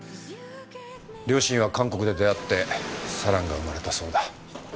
両親は韓国で出会って四朗が生まれたそうだ。